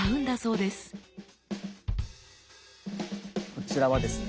こちらはですね